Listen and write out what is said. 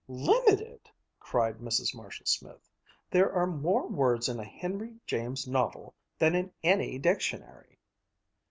"Limited!" cried Mrs. Marshall Smith. "There are more words in a Henry James novel than in any dictionary!"